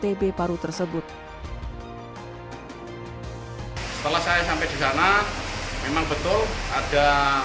kondisi rumahnya tersebut menyebabkan kematian anak anak yang meninggal akibat sakit tmi